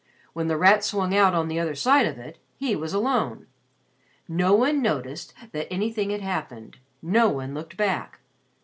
When The Rat swung out on the other side of it, he was alone! No one noticed that anything had happened; no one looked back.